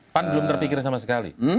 pan belum terpikir sama sekali